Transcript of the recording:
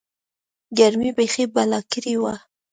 گرمۍ بيخي بلا کړې وه.